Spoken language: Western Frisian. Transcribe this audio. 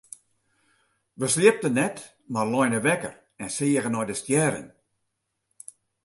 Wy sliepten net mar leine wekker en seagen nei de stjerren.